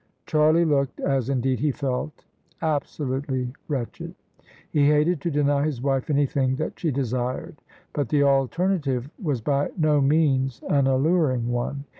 Charlie looked — as indeed he felt — ^absolutely wretched. He hated to deny his wife anything that she desired : but the alternative was by no means an alluring one.